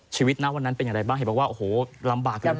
ชีวิตนะวันนั้นเป็นอย่างไรบ้างเห็นบอกว่าโอ้โหลำบากมาก